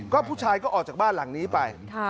ก็ผู้ชายก็ออกจากบ้านหลังนี้ไป